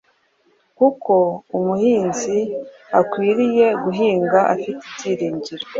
kuko umuhinzi akwiriye guhinga afite ibyiringiro,